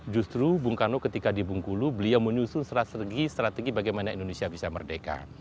justru bungkulu ketika di bungkulu beliau menyusun strategi strategi bagaimana indonesia bisa merdeka